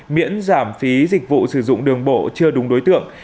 miễn giảm phí dịch vụ sử dụng đường bộ chưa đúng đối tượng